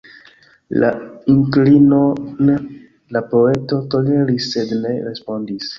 La inklinon la poeto toleris sed ne respondis.